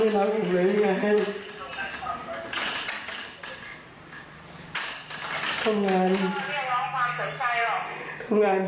ท่านงานพี่หน่าย